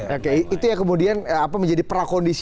oke itu ya kemudian apa menjadi prakondisi